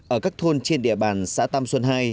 ở các thôn trên địa bàn xã tam xuân hai